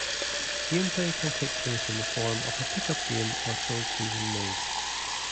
Gameplay can take place in the form of a pickup game or full-season mode.